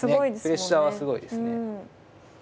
プレッシャーはすごいですね。